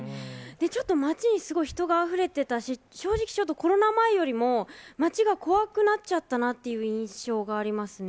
ちょっと街にすごい人があふれてたし、正直ちょっとコロナ前よりも、街が怖くなっちゃったなっていう印象がありますね。